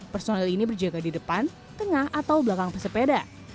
personil ini berjaga di depan tengah atau belakang pesepeda